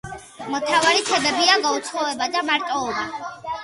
მთავარი თემებია გაუცხოება და მარტოობა.